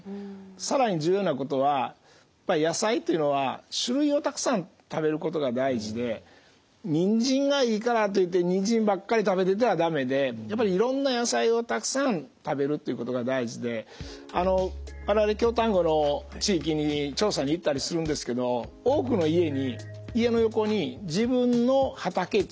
更に重要なことは野菜というのは種類をたくさん食べることが大事でにんじんがいいからといってにんじんばっかり食べてては駄目でいろんな野菜をたくさん食べるっていうことが大事で我々京丹後の地域に調査に行ったりするんですけど多くの家に家の横に自分の畑っちゅうのがあるんですね。